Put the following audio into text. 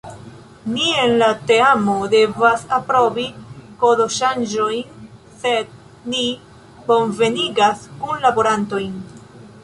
Ni en la teamo devas aprobi kodoŝanĝojn, sed ni bonvenigas kunlaborantojn!